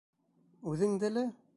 Үҙеңде лә?